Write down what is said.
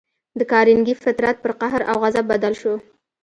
د کارنګي فطرت پر قهر او غضب بدل شو